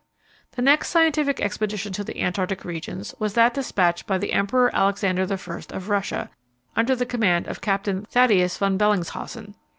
The next scientific expedition to the Antarctic regions was that despatched by the Emperor Alexander I. of Russia, under the command of Captain Thaddeus von Bellingshausen.